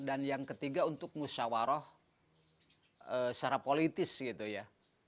dan yang ketiga untuk musyawarah secara politis gitu ya